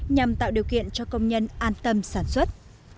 nhằm tạo điều kiện cho công nhân an tâm sản xuất